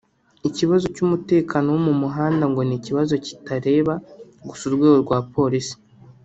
Ikibazo cy’umutekano wo mu muhanda ngo ni ikibazo kitareba gusa urwego rwa Polisi